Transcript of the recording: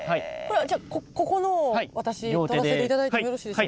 じゃここのを私採らせていただいてよろしいですか。